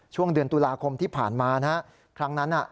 ช่วงเดือนตุลาคมที่ผ่านมานะฮะครั้งนั้นน่ะ